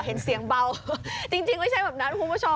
เห็นเสียงเบาจริงไม่ใช่แบบนั้นคุณผู้ชม